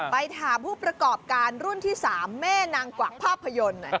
ไปถามผู้ประกอบการรุ่นที่๓แม่นางกวักภาพยนตร์หน่อย